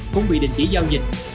cũng bị đình chỉ giao dịch